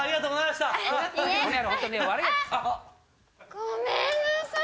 ごめんなさい！